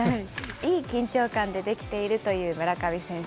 いい緊張感でできているという村上選手。